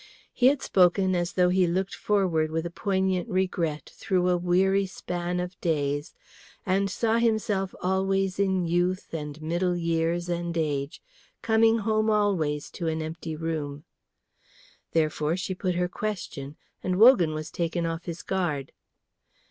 He had spoken as though he looked forward with a poignant regret through a weary span of days, and saw himself always in youth and middle years and age coming home always to an empty room. Therefore she put her question, and Wogan was taken off his guard.